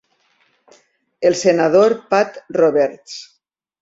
El senador Pat Roberts.